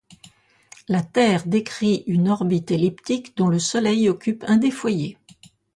La Terre décrit une orbite elliptique dont le Soleil occupe un des foyers.